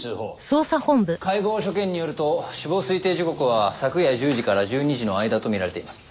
解剖所見によると死亡推定時刻は昨夜１０時から１２時の間とみられています。